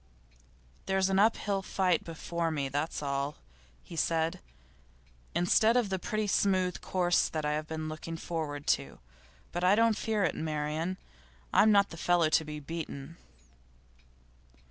'There's an uphill fight before me, that's all,' he said, 'instead of the pretty smooth course I have been looking forward to. But I don't fear it, Marian. I'm not the fellow to be beaten.